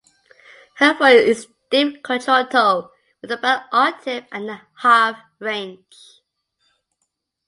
Her voice is deep contralto with about an octave and a half range.